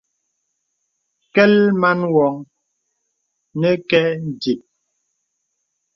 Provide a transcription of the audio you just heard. Kɛ̀l man wɔŋ nə kɛ ǹdìp.